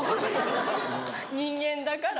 人だから？